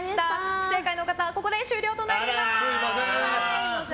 不正解の方はここで終了となります。